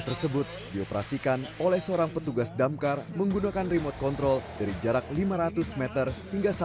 tersebut dioperasikan oleh seorang petugas damkar menggunakan remote control dari jarak lima ratus m hingga